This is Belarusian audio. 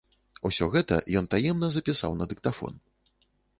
Усё гэта ён таемна запісаў на дыктафон.